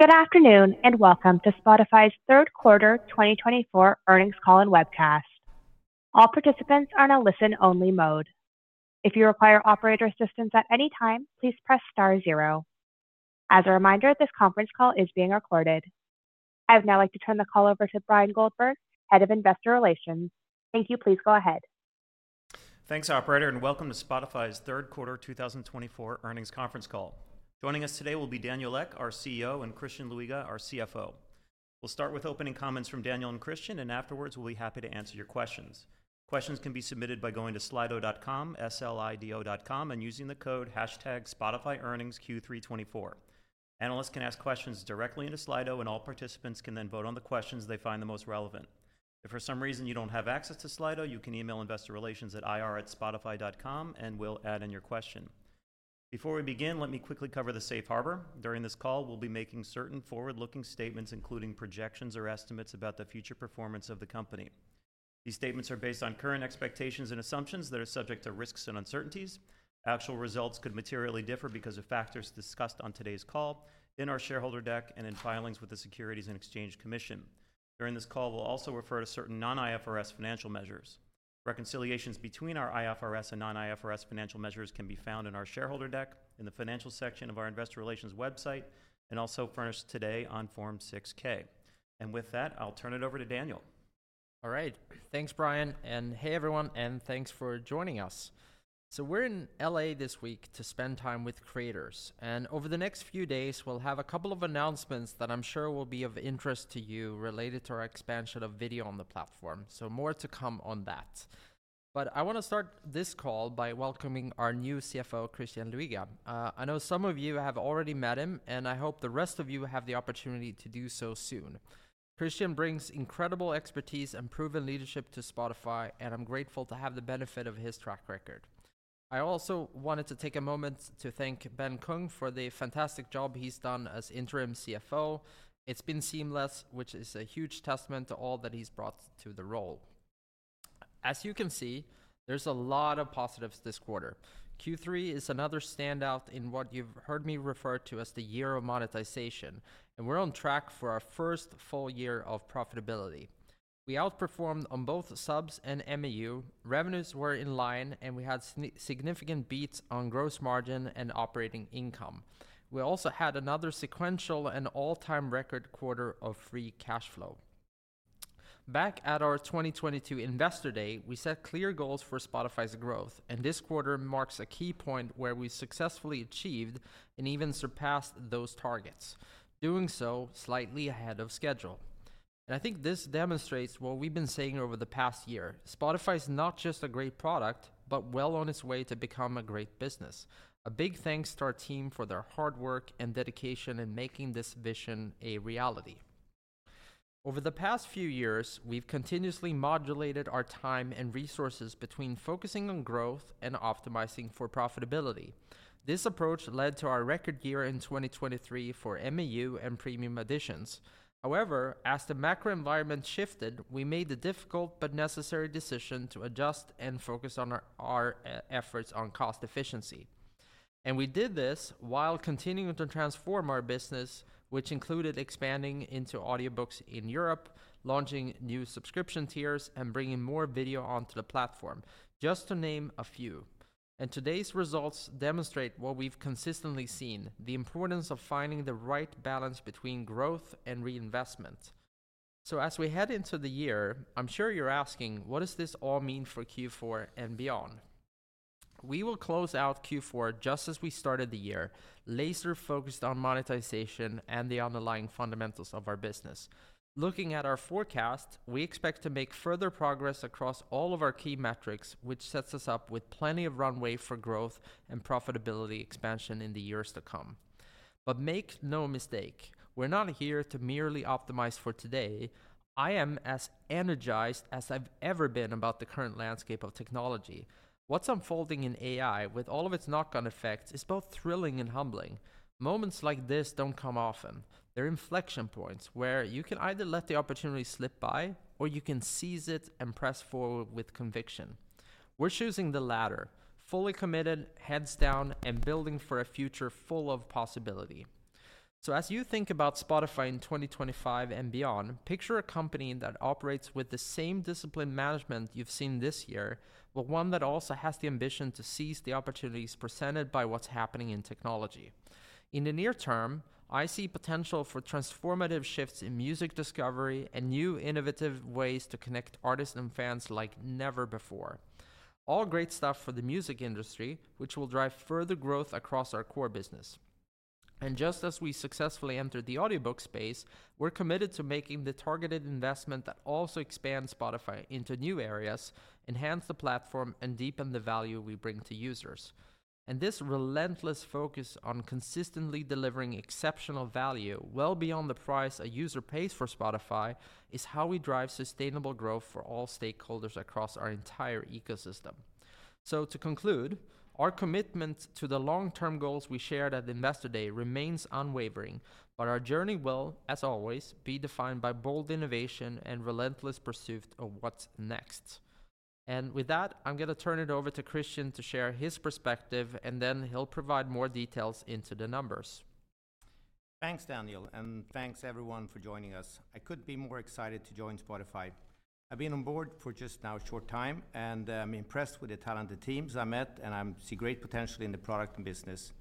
Good afternoon and welcome to Spotify's Third Quarter 2024 Earnings Call and Webcast. All participants are in a listen-only mode. If you require operator assistance at any time, please press star zero. As a reminder, this conference call is being recorded. I would now like to turn the call over to Bryan Goldberg, Head of Investor Relations. Thank you. Please go ahead. Thanks, Operator, and welcome to Spotify's Third Quarter 2024 Earnings Conference Call. Joining us today will be Daniel Ek, our CEO, and Christian Luiga, our CFO. We'll start with opening comments from Daniel and Christian, and afterwards we'll be happy to answer your questions. Questions can be submitted by going to slido.com, slido.com, and using the code #spotifyearningsQ324. Analysts can ask questions directly into Slido, and all participants can then vote on the questions they find the most relevant. If for some reason you don't have access to Slido, you can email investorrelations@spotify.com, and we'll add in your question. Before we begin, let me quickly cover the safe harbor. During this call, we'll be making certain forward-looking statements, including projections or estimates about the future performance of the company. These statements are based on current expectations and assumptions that are subject to risks and uncertainties. Actual results could materially differ because of factors discussed on today's call, in our shareholder deck, and in filings with the Securities and Exchange Commission. During this call, we'll also refer to certain non-IFRS financial measures. Reconciliations between our IFRS and non-IFRS financial measures can be found in our shareholder deck, in the financial section of our Investor Relations website, and also furnished today on Form 6-K. And with that, I'll turn it over to Daniel. All right. Thanks, Bryan. And hey, everyone, and thanks for joining us. So we're in L.A. this week to spend time with creators. And over the next few days, we'll have a couple of announcements that I'm sure will be of interest to you related to our expansion of video on the platform. So more to come on that. But I want to start this call by welcoming our new CFO, Christian Luiga. I know some of you have already met him, and I hope the rest of you have the opportunity to do so soon. Christian brings incredible expertise and proven leadership to Spotify, and I'm grateful to have the benefit of his track record. I also wanted to take a moment to thank Ben Kung for the fantastic job he's done as interim CFO. It's been seamless, which is a huge testament to all that he's brought to the role. As you can see, there's a lot of positives this quarter. Q3 is another standout in what you've heard me refer to as the Year of Monetization, and we're on track for our first full year of profitability. We outperformed on both subs and MAU. Revenues were in line, and we had significant beats on gross margin and operating income. We also had another sequential and all-time record quarter of free cash flow. Back at our 2022 Investor Day, we set clear goals for Spotify's growth, and this quarter marks a key point where we successfully achieved and even surpassed those targets, doing so slightly ahead of schedule, and I think this demonstrates what we've been saying over the past year. Spotify is not just a great product, but well on its way to become a great business. A big thanks to our team for their hard work and dedication in making this vision a reality. Over the past few years, we've continuously allocated our time and resources between focusing on growth and optimizing for profitability. This approach led to our record year in 2023 for MAU and Premium additions. However, as the macro environment shifted, we made the difficult but necessary decision to adjust and focus our efforts on cost efficiency, and we did this while continuing to transform our business, which included expanding into audiobooks in Europe, launching new subscription tiers, and bringing more video onto the platform, just to name a few, and today's results demonstrate what we've consistently seen: the importance of finding the right balance between growth and reinvestment. So as we head into the year, I'm sure you're asking, what does this all mean for Q4 and beyond? We will close out Q4 just as we started the year, laser-focused on monetization and the underlying fundamentals of our business. Looking at our forecast, we expect to make further progress across all of our key metrics, which sets us up with plenty of runway for growth and profitability expansion in the years to come. But make no mistake, we're not here to merely optimize for today. I am as energized as I've ever been about the current landscape of technology. What's unfolding in AI, with all of its knock-on effects, is both thrilling and humbling. Moments like this don't come often. They're inflection points where you can either let the opportunity slip by, or you can seize it and press forward with conviction. We're choosing the latter: fully committed, heads down, and building for a future full of possibility. So as you think about Spotify in 2025 and beyond, picture a company that operates with the same discipline management you've seen this year, but one that also has the ambition to seize the opportunities presented by what's happening in technology. In the near term, I see potential for transformative shifts in music discovery and new innovative ways to connect artists and fans like never before. All great stuff for the music industry, which will drive further growth across our core business. And just as we successfully entered the audiobook space, we're committed to making the targeted investment that also expands Spotify into new areas, enhance the platform, and deepen the value we bring to users. And this relentless focus on consistently delivering exceptional value well beyond the price a user pays for Spotify is how we drive sustainable growth for all stakeholders across our entire ecosystem. So to conclude, our commitment to the long-term goals we shared at Investor Day remains unwavering, but our journey will, as always, be defined by bold innovation and relentless pursuit of what's next. And with that, I'm going to turn it over to Christian to share his perspective, and then he'll provide more details into the numbers. Thanks, Daniel, and thanks everyone for joining us. I couldn't be more excited to join Spotify. I've been on board for just now a short time, and I'm impressed with the talented teams I met, and I see great potential in the product and business.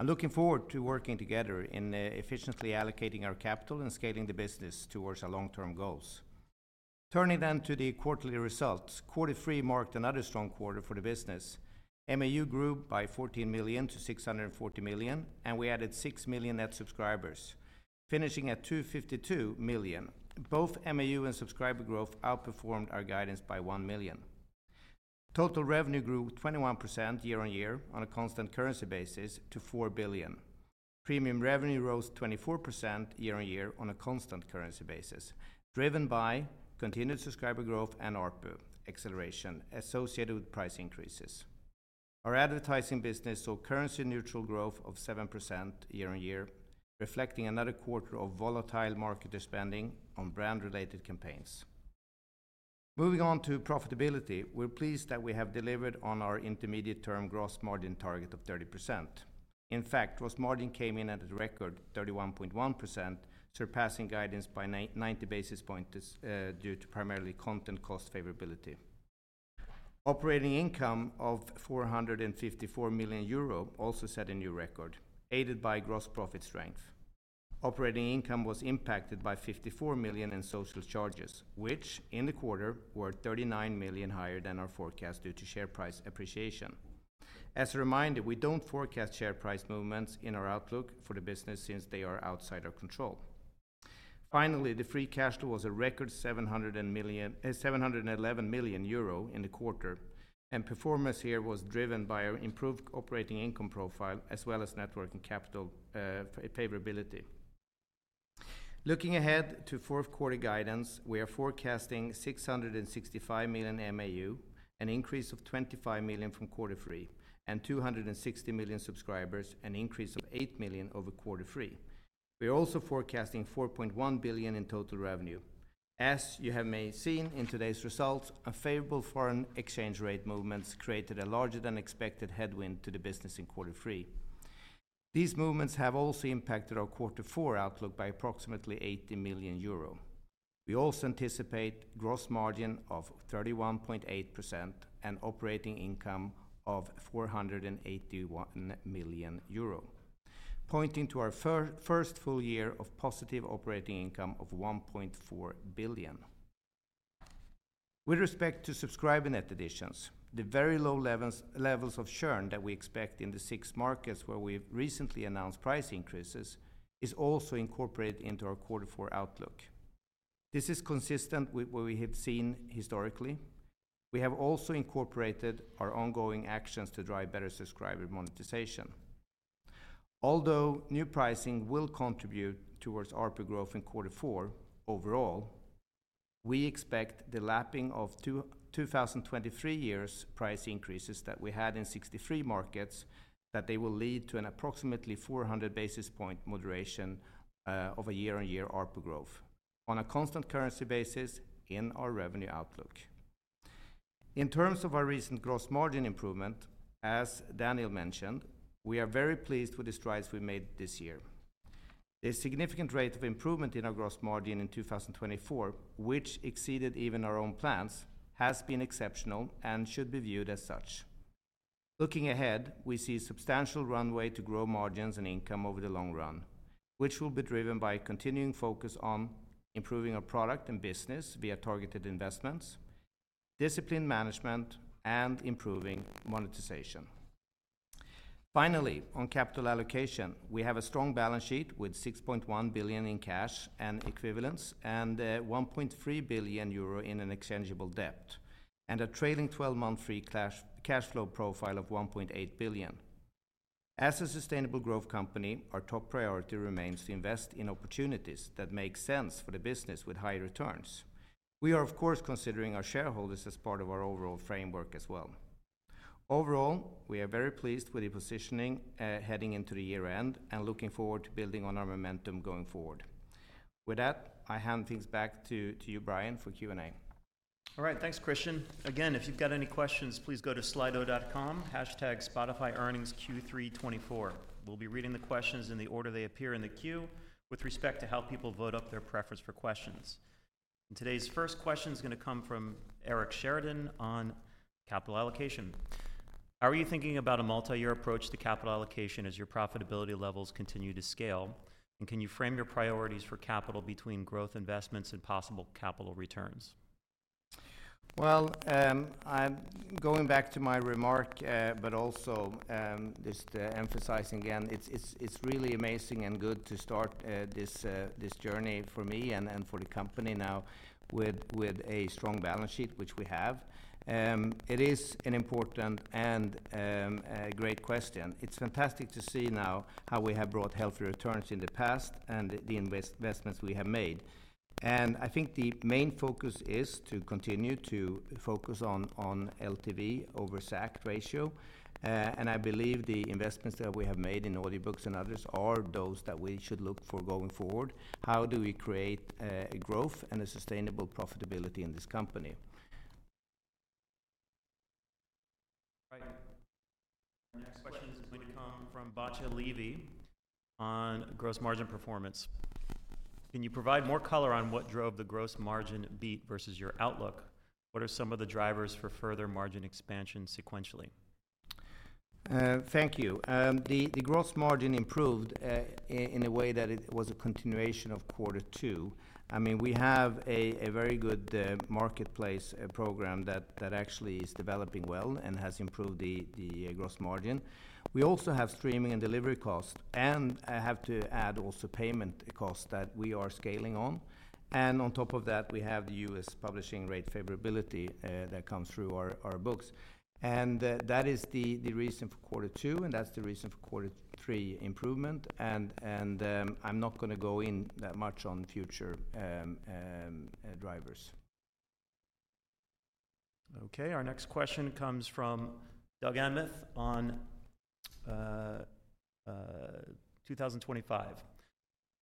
I'm looking forward to working together in efficiently allocating our capital and scaling the business towards our long-term goals. Turning then to the quarterly results, Quarter three marked another strong quarter for the business. MAU grew by 14 million to 640 million, and we added six million net subscribers, finishing at 252 million. Both MAU and subscriber growth outperformed our guidance by one million. Total revenue grew 21% year-on-year on a constant currency basis to 4 billion. Premium revenue rose 24% year-on-year on a constant currency basis, driven by continued subscriber growth and ARPU acceleration associated with price increases. Our advertising business saw currency-neutral growth of 7% year-on-year, reflecting another quarter of volatile marketers spending on brand-related campaigns. Moving on to profitability, we're pleased that we have delivered on our intermediate-term gross margin target of 30%. In fact, gross margin came in at a record 31.1%, surpassing guidance by 90 basis points due to primarily content cost favorability. Operating income of 454 million euro also set a new record, aided by gross profit strength. Operating income was impacted by 54 million in social charges, which in the quarter were 39 million higher than our forecast due to share price appreciation. As a reminder, we don't forecast share price movements in our outlook for the business since they are outside our control. Finally, the free cash flow was a record 711 million euro in the quarter, and performance here was driven by our improved operating income profile as well as working capital favorability. Looking ahead to fourth quarter guidance, we are forecasting 665 million MAU, an increase of 25 million from quarter three, and 260 million subscribers, an increase of 8 million over quarter three. We are also forecasting 4.1 billion in total revenue. As you may have seen in today's results, unfavorable foreign exchange rate movements created a larger-than-expected headwind to the business in quarter three. These movements have also impacted our quarter four outlook by approximately 80 million euro. We also anticipate gross margin of 31.8% and operating income of 481 million euro, pointing to our first full year of positive operating income of 1.4 billion. With respect to subscriber net additions, the very low levels of churn that we expect in the six markets where we've recently announced price increases is also incorporated into our quarter four outlook. This is consistent with what we have seen historically. We have also incorporated our ongoing actions to drive better subscriber monetization. Although new pricing will contribute towards ARPU growth in quarter four overall, we expect the lapping of 2023's price increases that we had in 63 markets that they will lead to an approximately 400 basis points moderation of a year-on-year ARPU growth on a constant currency basis in our revenue outlook. In terms of our recent gross margin improvement, as Daniel mentioned, we are very pleased with the strides we made this year. The significant rate of improvement in our gross margin in 2024, which exceeded even our own plans, has been exceptional and should be viewed as such. Looking ahead, we see substantial runway to grow margins and income over the long run, which will be driven by continuing focus on improving our product and business via targeted investments, disciplined management, and improving monetization. Finally, on capital allocation, we have a strong balance sheet with 6.1 billion in cash and equivalents and 1.3 billion euro in an exchangeable debt, and a trailing 12-month free cash flow profile of 1.8 billion. As a sustainable growth company, our top priority remains to invest in opportunities that make sense for the business with high returns. We are, of course, considering our shareholders as part of our overall framework as well. Overall, we are very pleased with the positioning heading into the year-end and looking forward to building on our momentum going forward. With that, I hand things back to you, Bryan, for Q&A. All right. Thanks, Christian. Again, if you've got any questions, please go to Slido.com #spotifyearningsq324. We'll be reading the questions in the order they appear in the queue with respect to how people vote up their preference for questions. Today's first question is going to come from Eric Sheridan on capital allocation. How are you thinking about a multi-year approach to capital allocation as your profitability levels continue to scale? And can you frame your priorities for capital between growth investments and possible capital returns? I'm going back to my remark, but also just emphasizing again, it's really amazing and good to start this journey for me and for the company now with a strong balance sheet, which we have. It is an important and great question. It's fantastic to see now how we have brought healthy returns in the past and the investments we have made. And I think the main focus is to continue to focus on LTV over SAC ratio. And I believe the investments that we have made in audiobooks and others are those that we should look for going forward. How do we create growth and a sustainable profitability in this company? All right. Our next question is going to come from Batya Levi on gross margin performance. Can you provide more color on what drove the gross margin beat versus your outlook? What are some of the drivers for further margin expansion sequentially? Thank you. The gross margin improved in a way that it was a continuation of quarter two. I mean, we have a very good Marketplace Program that actually is developing well and has improved the gross margin. We also have streaming and delivery costs, and I have to add also payment costs that we are scaling on. And on top of that, we have the U.S. publishing rate favorability that comes through our books. And that is the reason for quarter two, and that's the reason for quarter three improvement. And I'm not going to go in that much on future drivers. Okay. Our next question comes from Doug Anmuth on 2025.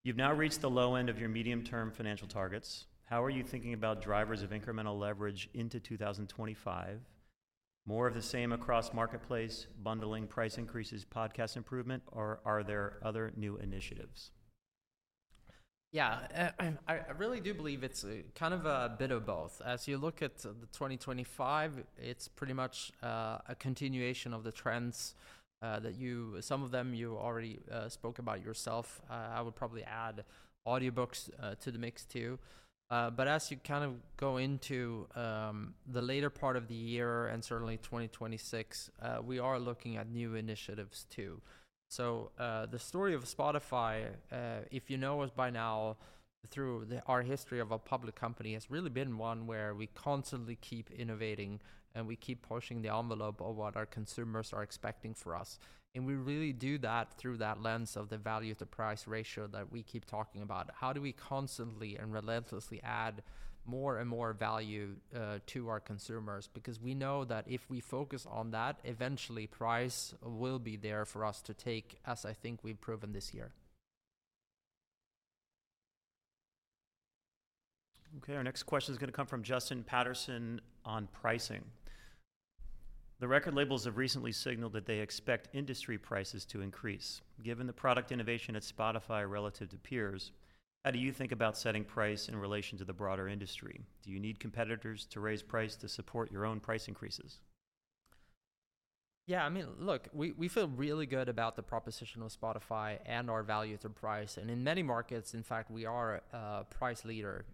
You've now reached the low end of your medium-term financial targets. How are you thinking about drivers of incremental leverage into 2025? More of the same across Marketplace, bundling, price increases, podcast improvement, or are there other new initiatives? Yeah, I really do believe it's kind of a bit of both. As you look at the 2025, it's pretty much a continuation of the trends that you some of them you already spoke about yourself. I would probably add audiobooks to the mix too. But as you kind of go into the later part of the year and certainly 2026, we are looking at new initiatives too. So the story of Spotify, if you know us by now, through our history of a public company, has really been one where we constantly keep innovating and we keep pushing the envelope of what our consumers are expecting for us. And we really do that through that lens of the value-to-price ratio that we keep talking about. How do we constantly and relentlessly add more and more value to our consumers? Because we know that if we focus on that, eventually price will be there for us to take, as I think we've proven this year. Okay. Our next question is going to come from Justin Patterson on pricing. The record labels have recently signaled that they expect industry prices to increase. Given the product innovation at Spotify relative to peers, how do you think about setting price in relation to the broader industry? Do you need competitors to raise price to support your own price increases? Yeah, I mean, look, we feel really good about the proposition of Spotify and our value-to-price. And in many markets, in fact, we are a price leader.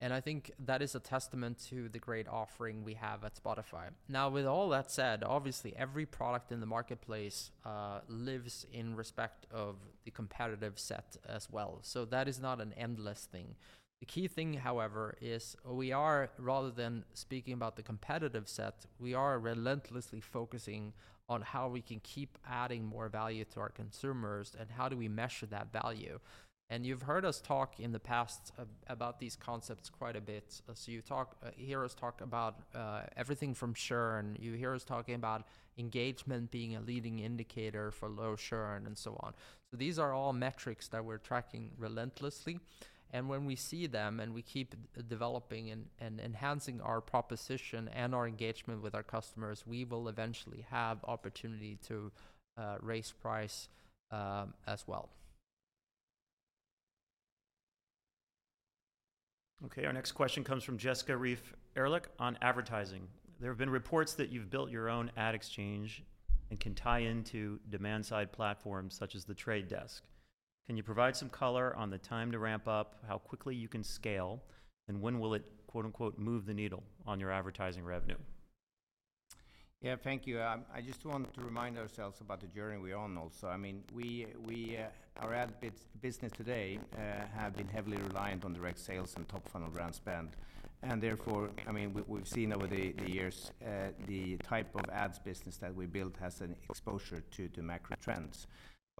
And I think that is a testament to the great offering we have at Spotify. Now, with all that said, obviously, every product in the Marketplace lives in respect of the competitive set as well. So that is not an endless thing. The key thing, however, is we are, rather than speaking about the competitive set, we are relentlessly focusing on how we can keep adding more value to our consumers and how do we measure that value. And you've heard us talk in the past about these concepts quite a bit. So you hear us talk about everything from churn. You hear us talking about engagement being a leading indicator for low churn and so on. So these are all metrics that we're tracking relentlessly. And when we see them and we keep developing and enhancing our proposition and our engagement with our customers, we will eventually have the opportunity to raise price as well. Okay. Our next question comes from Jessica Reif Ehrlich on advertising. There have been reports that you've built your own ad exchange and can tie into demand-side platforms such as The Trade Desk. Can you provide some color on the time to ramp up, how quickly you can scale, and when will it "move the needle" on your advertising revenue? Yeah, thank you. I just want to remind ourselves about the journey we're on also. I mean, our ad business today has been heavily reliant on direct sales and top-funnel brand spend. And therefore, I mean, we've seen over the years the type of ads business that we built has an exposure to macro trends.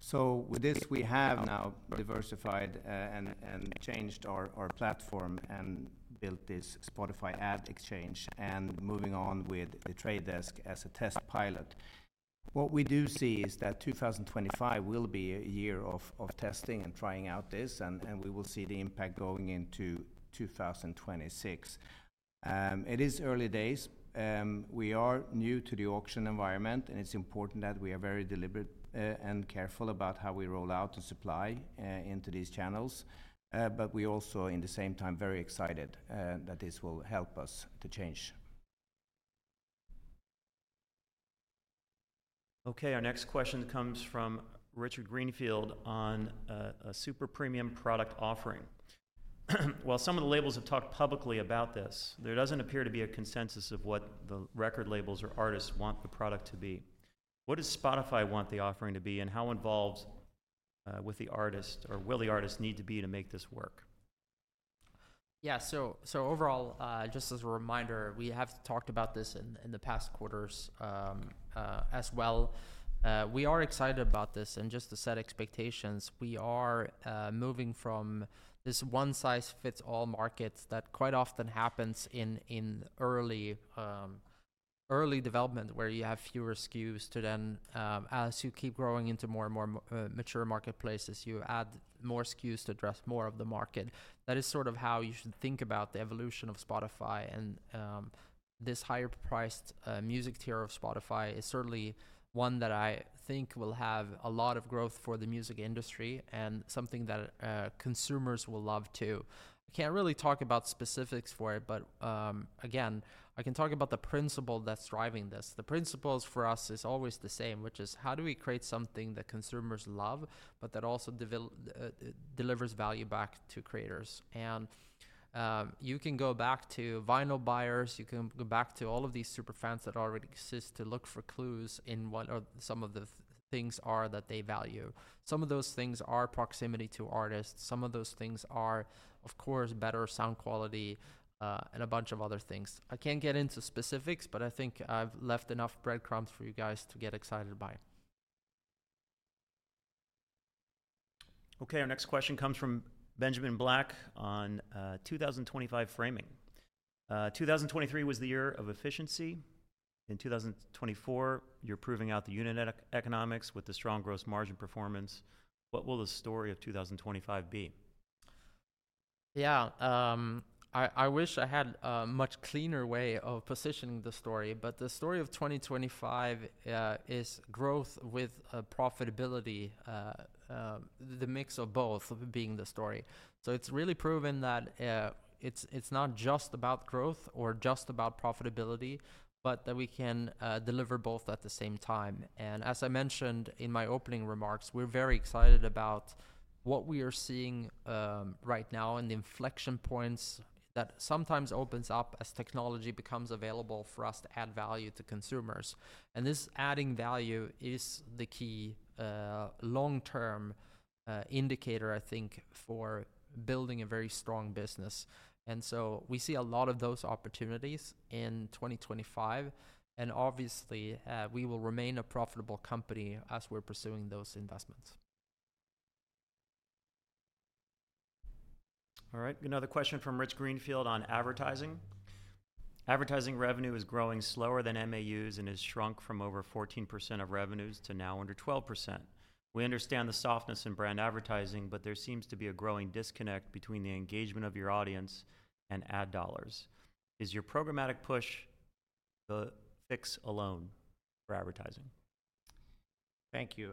So with this, we have now diversified and changed our platform and built this Spotify Ad Exchange and moving on with The Trade Desk as a test pilot. What we do see is that 2025 will be a year of testing and trying out this, and we will see the impact going into 2026. It is early days. We are new to the auction environment, and it's important that we are very deliberate and careful about how we roll out the supply into these channels. But we also, at the same time, are very excited that this will help us to change. Okay. Our next question comes from Richard Greenfield on a super premium product offering. While some of the labels have talked publicly about this, there doesn't appear to be a consensus of what the record labels or artists want the product to be. What does Spotify want the offering to be, and how involved with the artist or will the artist need to be to make this work? Yeah, so overall, just as a reminder, we have talked about this in the past quarters as well. We are excited about this and just to set expectations. We are moving from this one-size-fits-all market that quite often happens in early development where you have fewer SKUs to then, as you keep growing into more and more mature marketplaces, you add more SKUs to address more of the market. That is sort of how you should think about the evolution of Spotify. And this higher-priced music tier of Spotify is certainly one that I think will have a lot of growth for the music industry and something that consumers will love too. I can't really talk about specifics for it, but again, I can talk about the principle that's driving this. The principle for us is always the same, which is how do we create something that consumers love, but that also delivers value back to creators? And you can go back to vinyl buyers. You can go back to all of these super fans that already exist to look for clues in what some of the things are that they value. Some of those things are proximity to artists. Some of those things are, of course, better sound quality and a bunch of other things. I can't get into specifics, but I think I've left enough breadcrumbs for you guys to get excited by. Okay. Our next question comes from Benjamin Black on 2025 framing. 2023 was the Year of efficiency. In 2024, you're proving out the unit economics with the strong gross margin performance. What will the story of 2025 be? Yeah, I wish I had a much cleaner way of positioning the story. But the story of 2025 is growth with profitability, the mix of both being the story. So it's really proven that it's not just about growth or just about profitability, but that we can deliver both at the same time. And as I mentioned in my opening remarks, we're very excited about what we are seeing right now and the inflection points that sometimes open up as technology becomes available for us to add value to consumers. And this adding value is the key long-term indicator, I think, for building a very strong business. And so we see a lot of those opportunities in 2025. And obviously, we will remain a profitable company as we're pursuing those investments. All right. Another question from Rich Greenfield on advertising. Advertising revenue is growing slower than MAUs and has shrunk from over 14% of revenues to now under 12%. We understand the softness in brand advertising, but there seems to be a growing disconnect between the engagement of your audience and ad dollars. Is your programmatic push the fix alone for advertising? Thank you.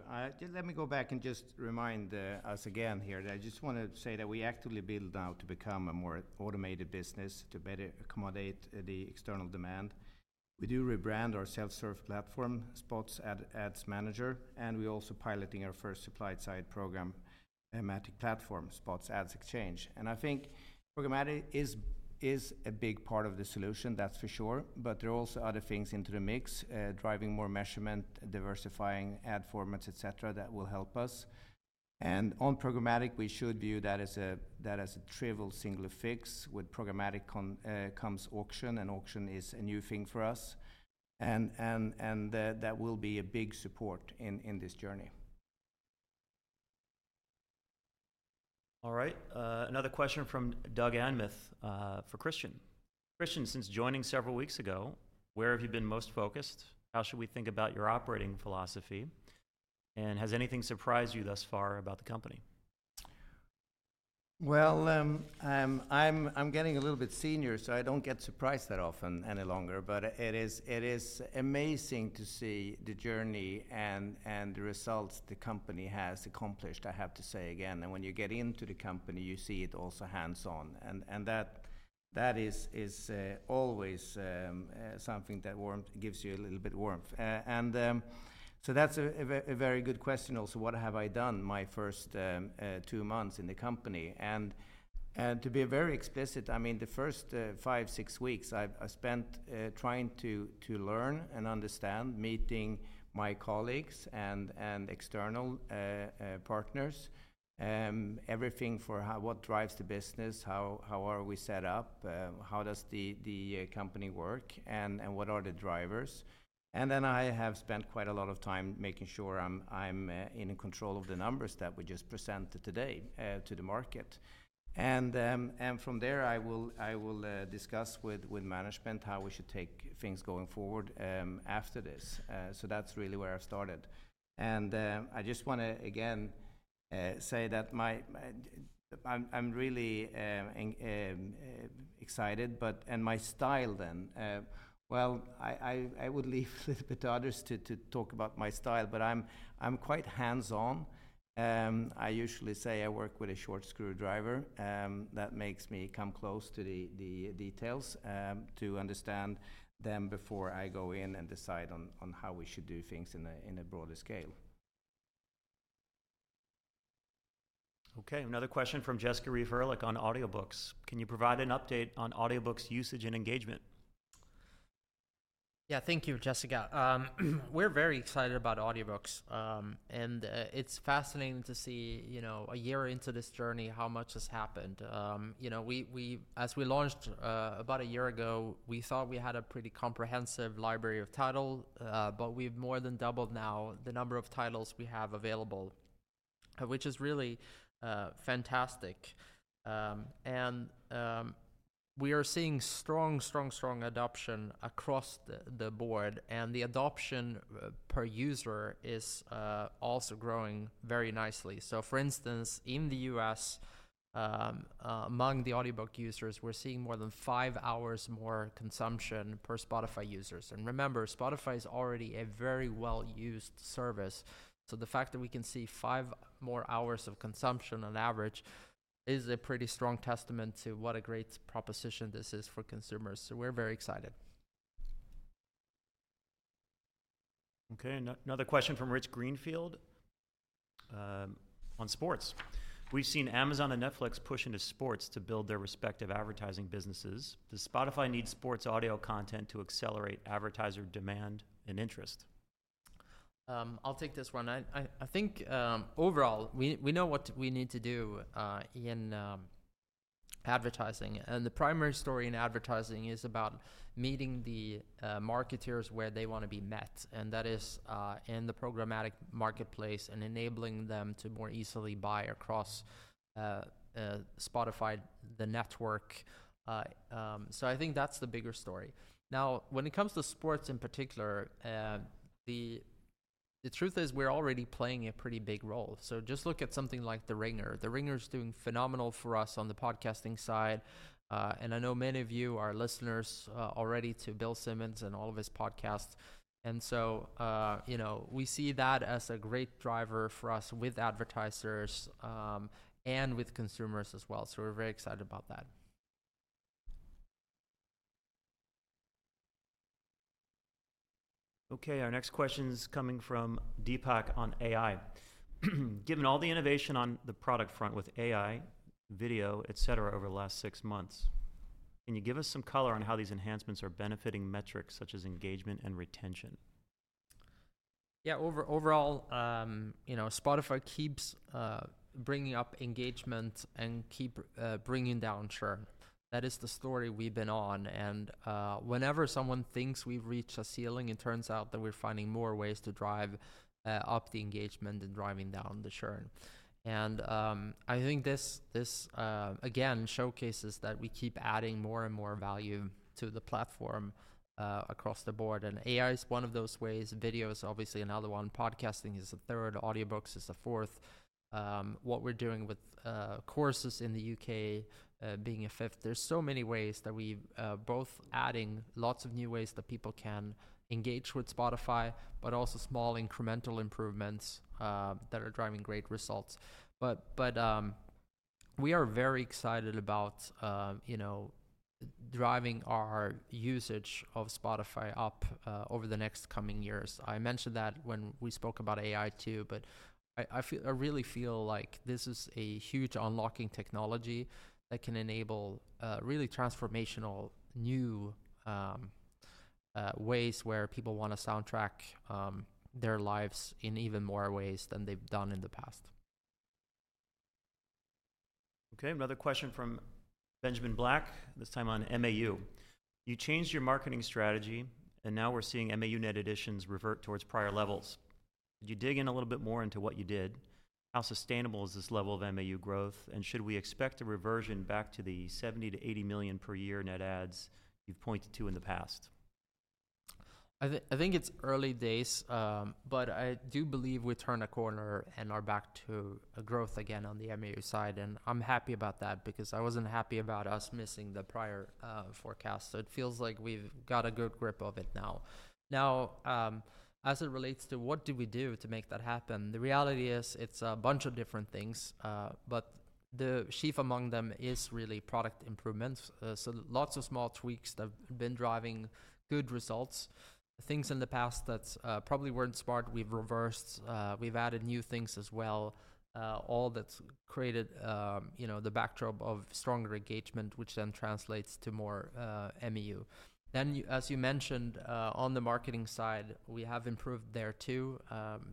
Let me go back and just remind us again here that I just want to say that we actively build now to become a more automated business to better accommodate the external demand. We do rebrand our self-serve platform, Spotify Ads Manager, and we're also piloting our first supply-side programmatic platform, Spotify Ad Exchange, and I think programmatic is a big part of the solution, that's for sure, but there are also other things into the mix, driving more measurement, diversifying ad formats, et cetera, that will help us, and on programmatic, we should view that as a trivial single fix. With programmatic comes auction, and auction is a new thing for us, and that will be a big support in this journey. All right. Another question from Doug Anmuth for Christian. Christian, since joining several weeks ago, where have you been most focused? How should we think about your operating philosophy? And has anything surprised you thus far about the company? I'm getting a little bit senior, so I don't get surprised that often any longer. But it is amazing to see the journey and the results the company has accomplished, I have to say again. When you get into the company, you see it also hands-on. That is always something that gives you a little bit of warmth. That's a very good question also. What have I done my first two months in the company? To be very explicit, I mean, the first five, six weeks, I spent trying to learn and understand, meeting my colleagues and external partners, everything for what drives the business, how are we set up, how does the company work, and what are the drivers. And then I have spent quite a lot of time making sure I'm in control of the numbers that were just presented today to the market. And from there, I will discuss with management how we should take things going forward after this. So that's really where I've started. And I just want to, again, say that I'm really excited. And my style then, well, I would leave a little bit to others to talk about my style, but I'm quite hands-on. I usually say I work with a short screwdriver. That makes me come close to the details to understand them before I go in and decide on how we should do things on a broader scale. Okay. Another question from Jessica Reif Ehrlich on audiobooks. Can you provide an update on audiobooks' usage and engagement? Yeah, thank you, Jessica. We're very excited about audiobooks. And it's fascinating to see a year into this journey how much has happened. As we launched about a year ago, we thought we had a pretty comprehensive library of titles, but we've more than doubled now the number of titles we have available, which is really fantastic. And we are seeing strong, strong, strong adoption across the board. And the adoption per user is also growing very nicely. So, for instance, in the U.S., among the audiobook users, we're seeing more than five hours more consumption per Spotify users. And remember, Spotify is already a very well-used service. So the fact that we can see five more hours of consumption on average is a pretty strong testament to what a great proposition this is for consumers. So we're very excited. Okay. Another question from Rich Greenfield on sports. We've seen Amazon and Netflix push into sports to build their respective advertising businesses. Does Spotify need sports audio content to accelerate advertiser demand and interest? I'll take this one. I think overall, we know what we need to do in advertising, and the primary story in advertising is about meeting the marketers where they want to be met, and that is in the programmatic marketplace and enabling them to more easily buy across Spotify, the network, so I think that's the bigger story. Now, when it comes to sports in particular, the truth is we're already playing a pretty big role, so just look at something like The Ringer. The Ringer is doing phenomenal for us on the podcasting side, and I know many of you are listeners already to Bill Simmons and all of his podcasts, and so we see that as a great driver for us with advertisers and with consumers as well, so we're very excited about that. Okay. Our next question is coming from Deepak on AI. Given all the innovation on the product front with AI, video, et cetera, over the last six months, can you give us some color on how these enhancements are benefiting metrics such as engagement and retention? Yeah, overall, Spotify keeps bringing up engagement and keeps bringing down churn. That is the story we've been on. And whenever someone thinks we've reached a ceiling, it turns out that we're finding more ways to drive up the engagement and driving down the churn. And I think this, again, showcases that we keep adding more and more value to the platform across the board. And AI is one of those ways. Video is obviously another one. Podcasting is a third. Audiobooks is a fourth. What we're doing with courses in the U.K. being a fifth. There's so many ways that we're both adding lots of new ways that people can engage with Spotify, but also small incremental improvements that are driving great results. But we are very excited about driving our usage of Spotify up over the next coming years. I mentioned that when we spoke about AI too, but I really feel like this is a huge unlocking technology that can enable really transformational new ways where people want to soundtrack their lives in even more ways than they've done in the past. Okay. Another question from Benjamin Black, this time on MAU. You changed your marketing strategy, and now we're seeing MAU net additions revert towards prior levels. Could you dig in a little bit more into what you did? How sustainable is this level of MAU growth? And should we expect a reversion back to the 70-80 million per year net adds you've pointed to in the past? I think it's early days, but I do believe we turned a corner and are back to growth again on the MAU side, and I'm happy about that because I wasn't happy about us missing the prior forecast, so it feels like we've got a good grip of it now. Now, as it relates to what do we do to make that happen, the reality is it's a bunch of different things, but the chief among them is really product improvements, so lots of small tweaks that have been driving good results. Things in the past that probably weren't smart, we've reversed. We've added new things as well. All that's created the backdrop of stronger engagement, which then translates to more MAU, then, as you mentioned, on the marketing side, we have improved there too,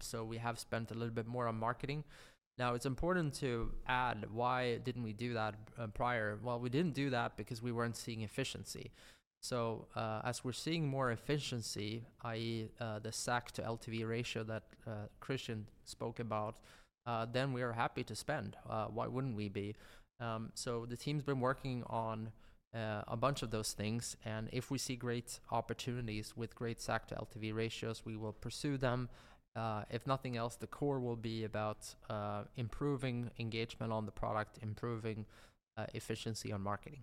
so we have spent a little bit more on marketing. Now, it's important to add why didn't we do that prior? Well, we didn't do that because we weren't seeing efficiency. So as we're seeing more efficiency, i.e., the SAC to LTV ratio that Christian spoke about, then we are happy to spend. Why wouldn't we be? So the team's been working on a bunch of those things, and if we see great opportunities with great SAC to LTV ratios, we will pursue them. If nothing else, the core will be about improving engagement on the product, improving efficiency on marketing.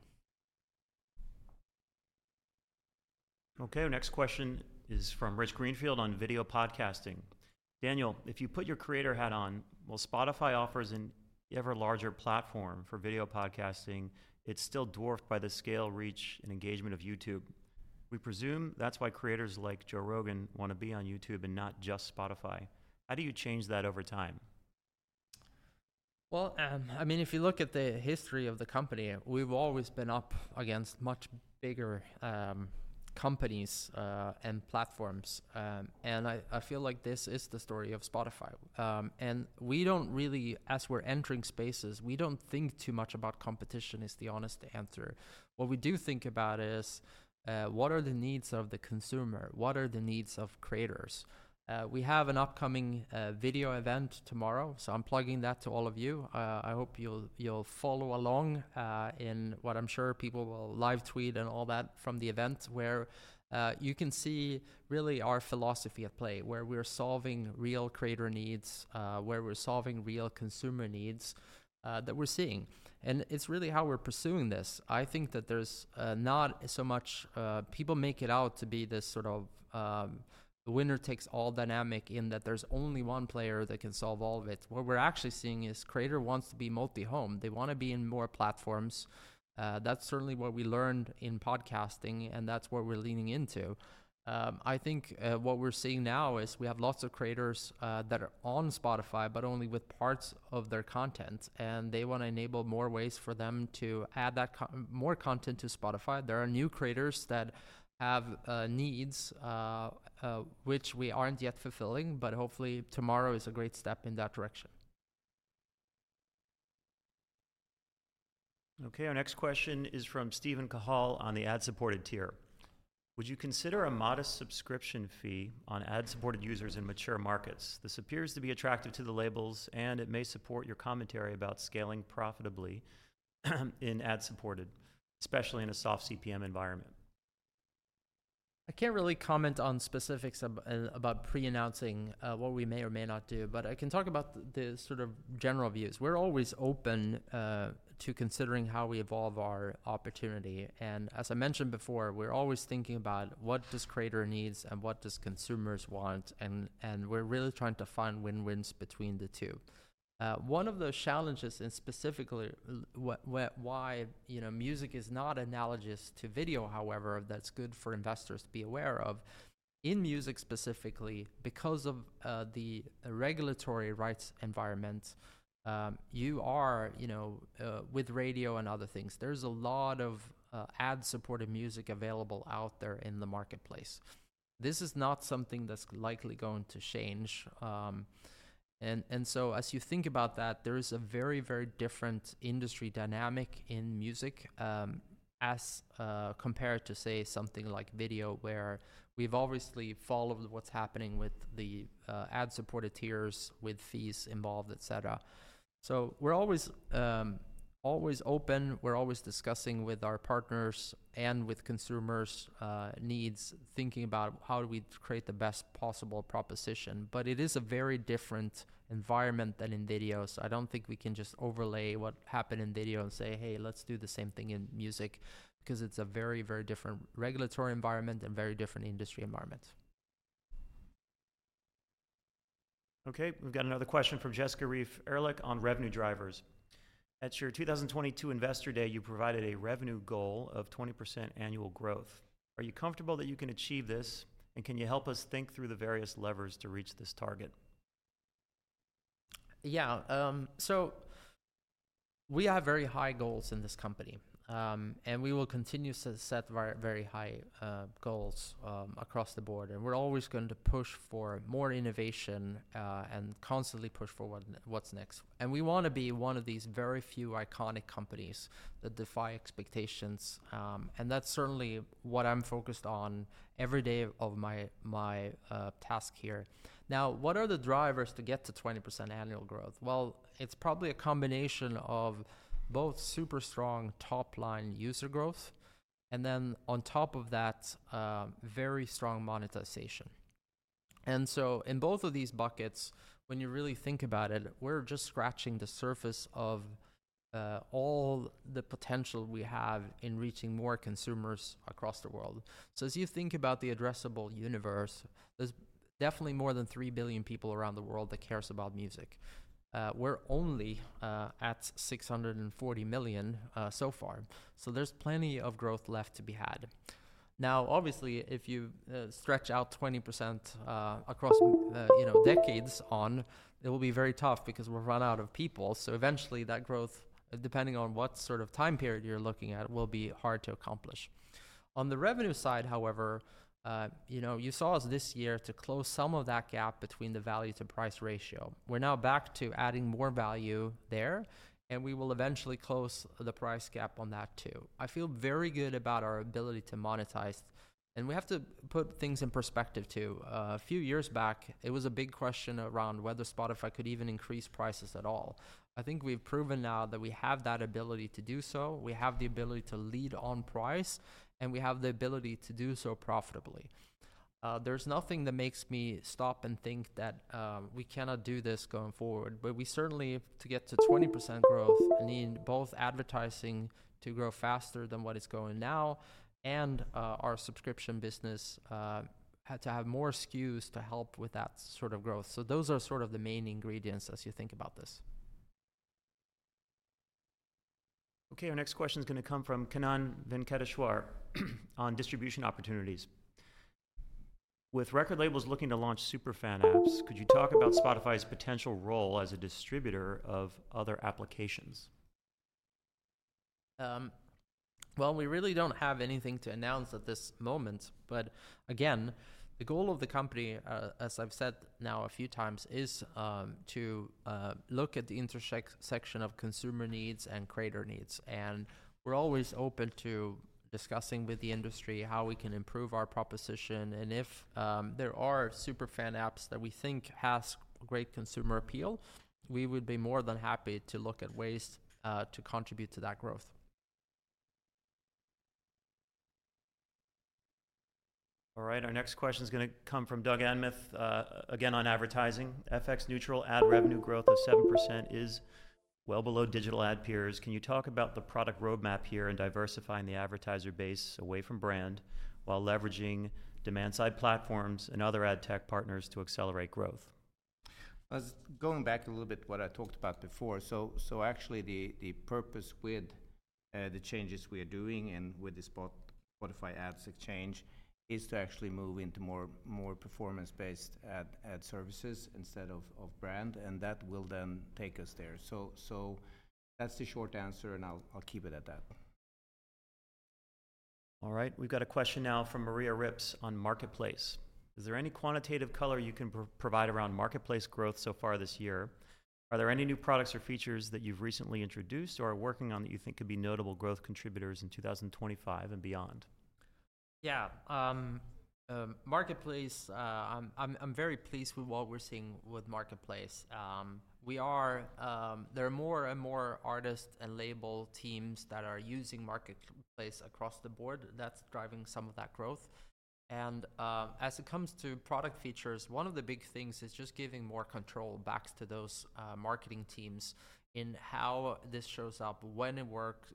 Okay. Our next question is from Rich Greenfield on video podcasting. Daniel, if you put your creator hat on, while Spotify offers an ever larger platform for video podcasting, it's still dwarfed by the scale, reach, and engagement of YouTube. We presume that's why creators like Joe Rogan want to be on YouTube and not just Spotify. How do you change that over time? I mean, if you look at the history of the company, we've always been up against much bigger companies and platforms, and I feel like this is the story of Spotify, and we don't really, as we're entering spaces, we don't think too much about competition is the honest answer. What we do think about is what are the needs of the consumer? What are the needs of creators? We have an upcoming video event tomorrow, so I'm plugging that to all of you. I hope you'll follow along in what I'm sure people will live tweet and all that from the event where you can see really our philosophy at play, where we're solving real creator needs, where we're solving real consumer needs that we're seeing, and it's really how we're pursuing this. I think that there's not so much people make it out to be this sort of the winner takes all dynamic in that there's only one player that can solve all of it. What we're actually seeing is creator wants to be multi-home. They want to be in more platforms. That's certainly what we learned in podcasting, and that's what we're leaning into. I think what we're seeing now is we have lots of creators that are on Spotify, but only with parts of their content. And they want to enable more ways for them to add more content to Spotify. There are new creators that have needs which we aren't yet fulfilling, but hopefully tomorrow is a great step in that direction. Okay. Our next question is from Steven Cahall on the ad-supported tier. Would you consider a modest subscription fee on ad-supported users in mature markets? This appears to be attractive to the labels, and it may support your commentary about scaling profitably in ad-supported, especially in a soft CPM environment. I can't really comment on specifics about pre-announcing what we may or may not do, but I can talk about the sort of general views. We're always open to considering how we evolve our opportunity, and as I mentioned before, we're always thinking about what does creator needs and what do consumers want, and we're really trying to find win-wins between the two. One of the challenges, and specifically why music is not analogous to video, however, that's good for investors to be aware of in music specifically because of the regulatory rights environment, you are with radio and other things. There's a lot of ad-supported music available out there in the marketplace. This is not something that's likely going to change. And so as you think about that, there is a very, very different industry dynamic in music as compared to, say, something like video, where we've obviously followed what's happening with the ad-supported tiers with fees involved, et cetera. So we're always open. We're always discussing with our partners and with consumers' needs, thinking about how do we create the best possible proposition. But it is a very different environment than in videos. I don't think we can just overlay what happened in video and say, "Hey, let's do the same thing in music," because it's a very, very different regulatory environment and very different industry environment. Okay. We've got another question from Jessica Reif Ehrlich on revenue drivers. At your 2022 Investor Day, you provided a revenue goal of 20% annual growth. Are you comfortable that you can achieve this, and can you help us think through the various levers to reach this target? Yeah. So we have very high goals in this company, and we will continue to set very high goals across the board. And we're always going to push for more innovation and constantly push for what's next. And we want to be one of these very few iconic companies that defy expectations. And that's certainly what I'm focused on every day of my task here. Now, what are the drivers to get to 20% annual growth? Well, it's probably a combination of both super strong top-line user growth and then on top of that, very strong monetization. And so in both of these buckets, when you really think about it, we're just scratching the surface of all the potential we have in reaching more consumers across the world. So as you think about the addressable universe, there's definitely more than 3 billion people around the world that cares about music. We're only at 640 million so far. So there's plenty of growth left to be had. Now, obviously, if you stretch out 20% across decades on, it will be very tough because we'll run out of people. So eventually, that growth, depending on what sort of time period you're looking at, will be hard to accomplish. On the revenue side, however, you saw us this year to close some of that gap between the value to price ratio. We're now back to adding more value there, and we will eventually close the price gap on that too. I feel very good about our ability to monetize. And we have to put things in perspective too. A few years back, it was a big question around whether Spotify could even increase prices at all. I think we've proven now that we have that ability to do so. We have the ability to lead on price, and we have the ability to do so profitably. There's nothing that makes me stop and think that we cannot do this going forward. But we certainly, to get to 20% growth, need both advertising to grow faster than what it's going now and our subscription business to have more SKUs to help with that sort of growth. So those are sort of the main ingredients as you think about this. Okay. Our next question is going to come from Kannan Venkateshwar on distribution opportunities. With record labels looking to launch super fan apps, could you talk about Spotify's potential role as a distributor of other applications? We really don't have anything to announce at this moment. Again, the goal of the company, as I've said now a few times, is to look at the intersection of consumer needs and creator needs. We're always open to discussing with the industry how we can improve our proposition. If there are super fan apps that we think have great consumer appeal, we would be more than happy to look at ways to contribute to that growth. All right. Our next question is going to come from Doug Anmuth, again on advertising. FX-neutral ad revenue growth of 7% is well below digital ad peers. Can you talk about the product roadmap here in diversifying the advertiser base away from brand while leveraging demand-side platforms and other ad tech partners to accelerate growth? Going back a little bit to what I talked about before, so actually the purpose with the changes we are doing and with the Spotify Ad Exchange is to actually move into more performance-based ad services instead of brand, and that will then take us there, so that's the short answer, and I'll keep it at that. All right. We've got a question now from Maria Rips on Marketplace. Is there any quantitative color you can provide around Marketplace growth so far this year? Are there any new products or features that you've recently introduced or are working on that you think could be notable growth contributors in 2025 and beyond? Yeah. Marketplace, I'm very pleased with what we're seeing with Marketplace. There are more and more artist and label teams that are using Marketplace across the board. That's driving some of that growth. And as it comes to product features, one of the big things is just giving more control back to those marketing teams in how this shows up, when it works,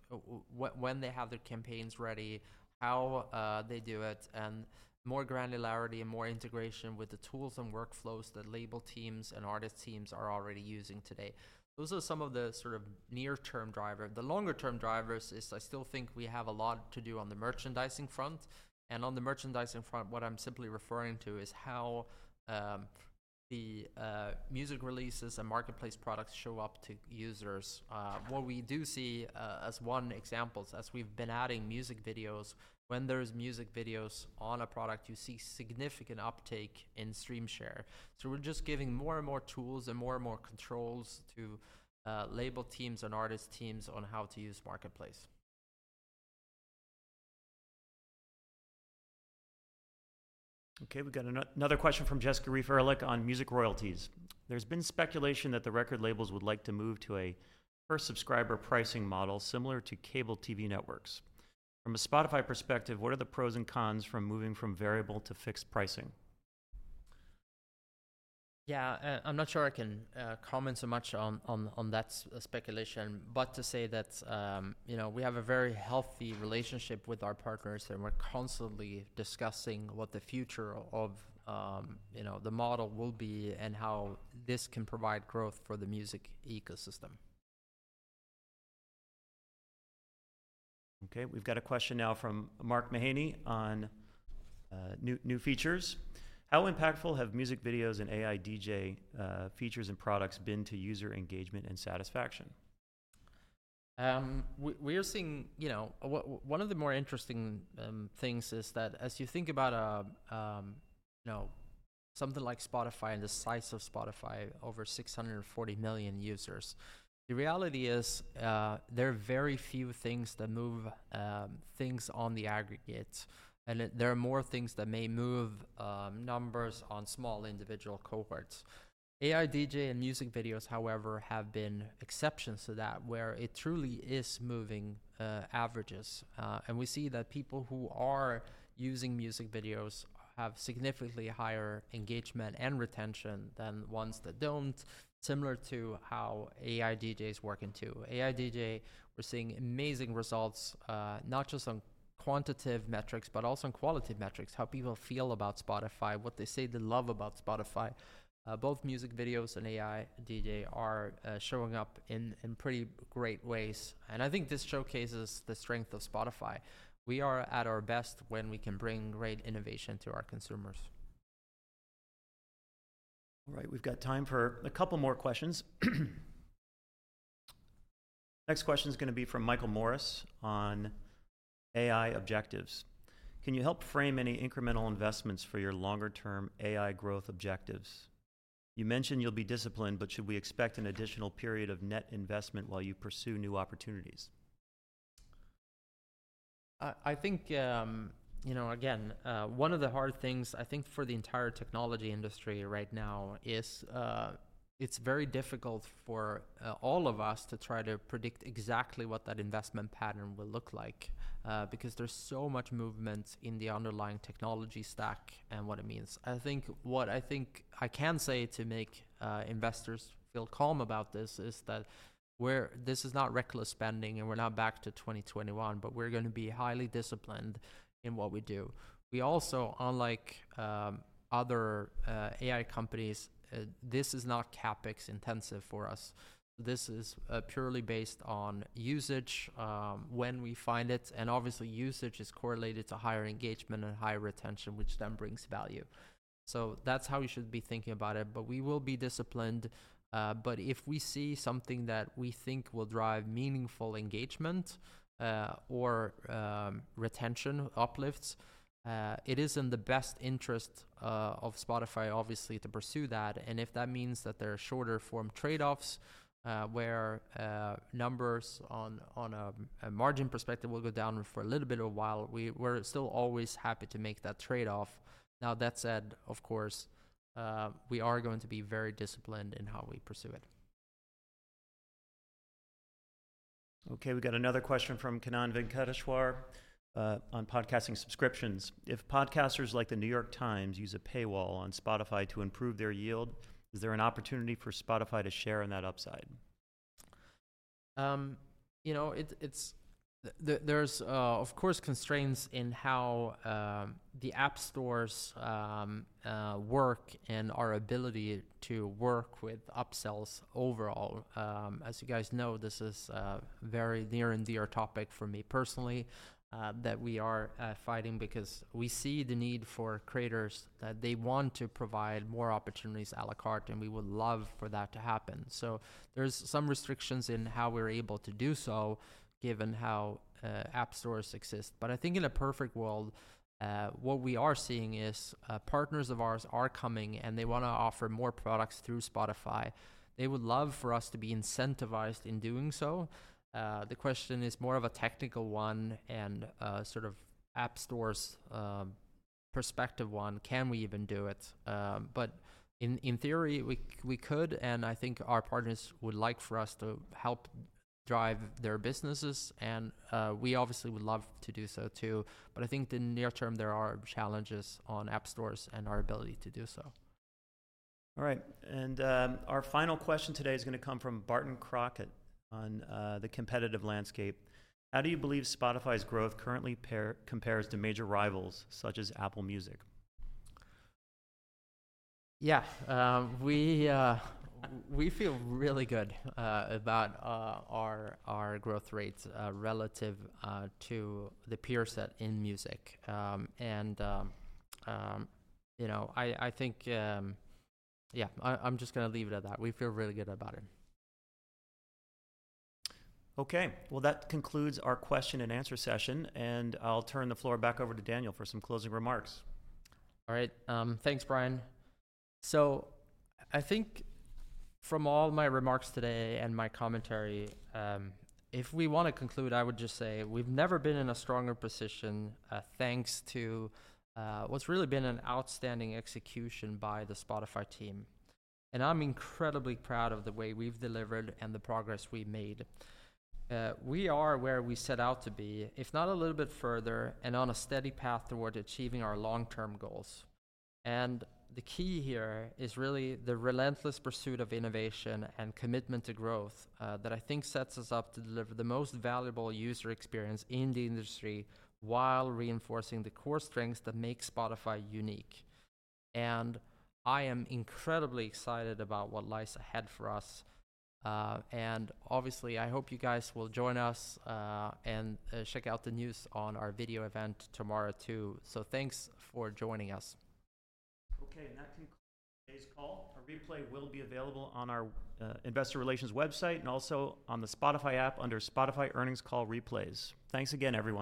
when they have their campaigns ready, how they do it, and more granularity and more integration with the tools and workflows that label teams and artist teams are already using today. Those are some of the sort of near-term drivers. The longer-term drivers is I still think we have a lot to do on the merchandising front. And on the merchandising front, what I'm simply referring to is how the music releases and Marketplace products show up to users. What we do see as one example is as we've been adding music videos, when there are music videos on a product, you see significant uptake in stream share. So we're just giving more and more tools and more and more controls to label teams and artist teams on how to use Marketplace. Okay. We've got another question from Jessica Reif Ehrlich on music royalties. There's been speculation that the record labels would like to move to a per-subscriber pricing model similar to cable TV networks. From a Spotify perspective, what are the pros and cons from moving from variable to fixed pricing? Yeah. I'm not sure I can comment so much on that speculation, but to say that we have a very healthy relationship with our partners, and we're constantly discussing what the future of the model will be and how this can provide growth for the music ecosystem. Okay. We've got a question now from Mark Mahaney on new features. How impactful have music videos and AI DJ features and products been to user engagement and satisfaction? We are seeing one of the more interesting things is that as you think about something like Spotify and the size of Spotify, over 640 million users, the reality is there are very few things that move things on the aggregate. And there are more things that may move numbers on small individual cohorts. AI DJ and music videos, however, have been exceptions to that, where it truly is moving averages. And we see that people who are using music videos have significantly higher engagement and retention than ones that don't, similar to how AI DJ is working too. AI DJ, we're seeing amazing results, not just on quantitative metrics, but also on quality metrics, how people feel about Spotify, what they say they love about Spotify. Both music videos and AI DJ are showing up in pretty great ways. And I think this showcases the strength of Spotify. We are at our best when we can bring great innovation to our consumers. All right. We've got time for a couple more questions. Next question is going to be from Michael Morris on AI objectives. Can you help frame any incremental investments for your longer-term AI growth objectives? You mentioned you'll be disciplined, but should we expect an additional period of net investment while you pursue new opportunities? I think, again, one of the hard things I think for the entire technology industry right now is it's very difficult for all of us to try to predict exactly what that investment pattern will look like because there's so much movement in the underlying technology stack and what it means. I think what I think I can say to make investors feel calm about this is that this is not reckless spending, and we're not back to 2021, but we're going to be highly disciplined in what we do. We also, unlike other AI companies, this is not CapEx intensive for us. This is purely based on usage when we find it, and obviously, usage is correlated to higher engagement and higher retention, which then brings value, so that's how we should be thinking about it, but we will be disciplined. But if we see something that we think will drive meaningful engagement or retention uplifts, it is in the best interest of Spotify, obviously, to pursue that. And if that means that there are shorter-form trade-offs where numbers on a margin perspective will go down for a little bit of a while, we're still always happy to make that trade-off. Now, that said, of course, we are going to be very disciplined in how we pursue it. Okay. We've got another question from Kannan Venkateshwar on podcasting subscriptions. If podcasters like The New York Times use a paywall on Spotify to improve their yield, is there an opportunity for Spotify to share in that upside? There's, of course, constraints in how the app stores work and our ability to work with upsells overall. As you guys know, this is a very near and dear topic for me personally that we are fighting because we see the need for creators that they want to provide more opportunities à la carte, and we would love for that to happen. So there's some restrictions in how we're able to do so given how app stores exist. But I think in a perfect world, what we are seeing is partners of ours are coming, and they want to offer more products through Spotify. They would love for us to be incentivized in doing so. The question is more of a technical one and sort of app stores' perspective one, can we even do it? But in theory, we could, and I think our partners would like for us to help drive their businesses. And we obviously would love to do so too. But I think in the near term, there are challenges on app stores and our ability to do so. All right, and our final question today is going to come from Barton Crockett on the competitive landscape. How do you believe Spotify's growth currently compares to major rivals such as Apple Music? Yeah. We feel really good about our growth rates relative to the peers that are in music, and I think, yeah, I'm just going to leave it at that. We feel really good about it. Okay. Well, that concludes our question and answer session. And I'll turn the floor back over to Daniel for some closing remarks. All right. Thanks, Bryan. So I think from all my remarks today and my commentary, if we want to conclude, I would just say we've never been in a stronger position thanks to what's really been an outstanding execution by the Spotify team, and I'm incredibly proud of the way we've delivered and the progress we've made. We are where we set out to be, if not a little bit further, and on a steady path toward achieving our long-term goals, and the key here is really the relentless pursuit of innovation and commitment to growth that I think sets us up to deliver the most valuable user experience in the industry while reinforcing the core strengths that make Spotify unique, and I am incredibly excited about what lies ahead for us. Obviously, I hope you guys will join us and check out the news on our video event tomorrow too. Thanks for joining us. Okay. And that concludes today's call. A replay will be available on our investor relations website and also on the Spotify app under Spotify Earnings Call Replays. Thanks again, everyone.